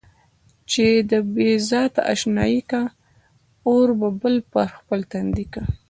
چې د بې ذاته اشنايي کا، اور به بل پر خپل تندي کا.